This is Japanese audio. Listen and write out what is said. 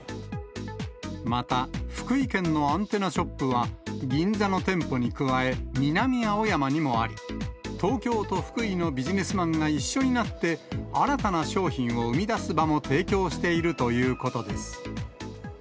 また、福井県のアンテナショップは銀座の店舗に加え、南青山にもあり、東京と福井のビジネスマンが一緒になって、新たな商品を生み出す場も提供しているということです。